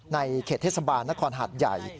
ในเขตเทศบาลนครหาดใหญ่